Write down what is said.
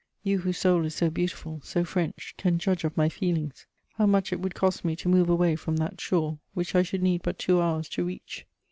You whose soul is so beautiful, so French, can judge of my feelings; how much it would cost me to move away from that shore which I should need but two hours to reach!